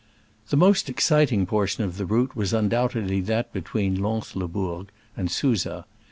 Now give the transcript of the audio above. The most exciting por tion of the route was undoubtedly that between Lanslebourg and Susa.